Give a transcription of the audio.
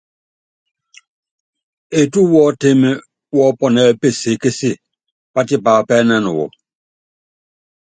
Etú wɔ́tímɛ wɔ́pɔnɛ́ɛ peseékése, pátipápɛ́nɛn wɔ.